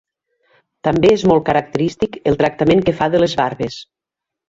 També és molt característic el tractament que fa de les barbes.